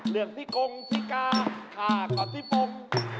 เหลือกที่กงที่กาข้าก่อนที่ปก